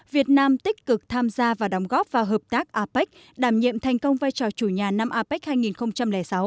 việt nam tích cực tham gia và đóng góp vào hợp tác apec đảm nhiệm thành công vai trò chủ nhà năm apec hai nghìn sáu